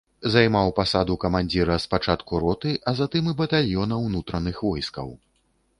Займаў пасаду камандзіра спачатку роты, а затым і батальёна ўнутраных войскаў.